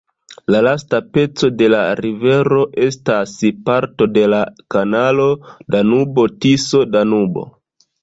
La lasta peco de la rivero estas parto de la kanalo Danubo-Tiso-Danubo.